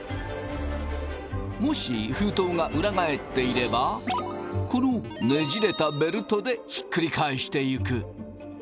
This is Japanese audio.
もし封筒が裏返っていればこのねじれたベルトでひっくり返していく。